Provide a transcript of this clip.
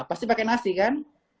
pasti pakai nasi kan